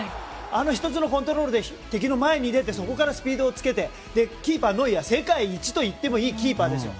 あの１つのコントトロールで敵の前に出てそこからスピードが出てキーパーのノイアーは世界一といっていいキーパーですよ。